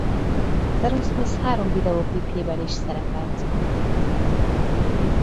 Az Aerosmith három videóklipjében is szerepelt.